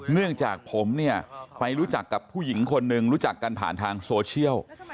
เนื่องจากผมเนี่ยไปรู้จักกับผู้หญิงคนหนึ่งรู้จักกันผ่านทางโซเชียล